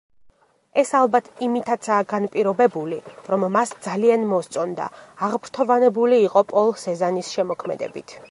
ეს ალბათ იმითაცაა განპირობებული რომ მას ძალიან მოსწონდა, აღფრთოვანებული იყო პოლ სეზანის შემოქმედებით.